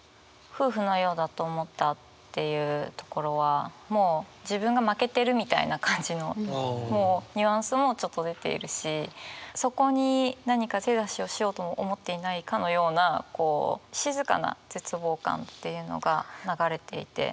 夫婦のようだと思ったっていうところはもう自分が負けてるみたいな感じのニュアンスもちょっと出ているしそこに何か手出しをしようとも思っていないかのような静かな絶望感っていうのが流れていて。